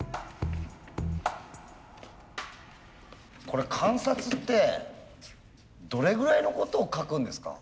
これ観察ってどれぐらいのことを書くんですか？